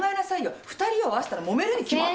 ２人を会わせたらもめるに決まって。